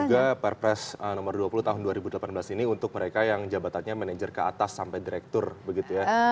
juga perpres nomor dua puluh tahun dua ribu delapan belas ini untuk mereka yang jabatannya manajer ke atas sampai direktur begitu ya